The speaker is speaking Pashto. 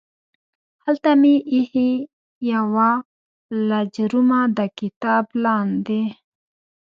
هلته مې ایښې یوه لجرمه د کتاب لاندې